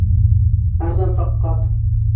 Арзан хаҡҡа!